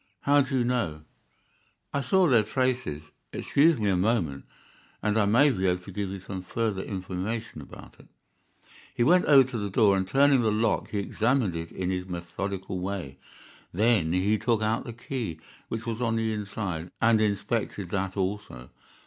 "How do you know?" "I saw their traces. Excuse me a moment, and I may be able to give you some further information about it." He went over to the door, and turning the lock he examined it in his methodical way. Then he took out the key, which was on the inside, and inspected that also.